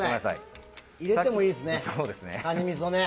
入れてもいいですね、カニみそ。